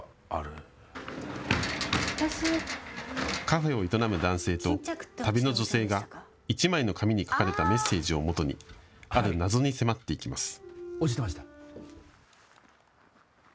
カフェを営む男性と旅の女性が１枚の紙に書かれたメッセージをもとに、ある謎に迫っていきます。